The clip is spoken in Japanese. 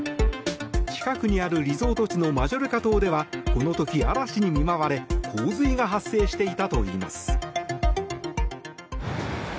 近くにあるリゾート地のマジョルカ島ではこの時、嵐に見舞われ洪水が発生していたといいます。